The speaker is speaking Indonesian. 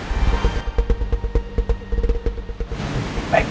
terima kasih pak